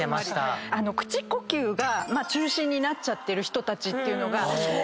口呼吸が中心になっちゃってる人たちというのが今いて。